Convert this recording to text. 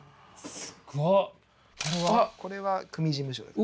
これは組事務所です。